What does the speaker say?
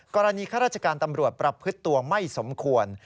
ข้าราชการตำรวจประพฤติตัวไม่สมควร